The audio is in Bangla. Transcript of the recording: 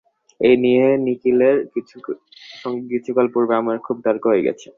এই নিয়ে নিখিলের সঙ্গে কিছুকাল পূর্বে আমার খুব তর্ক হয়ে গেছে।